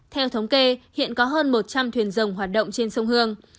theo thống kê hiện có hơn một trăm linh thuyền rồng hoạt động trên sông hương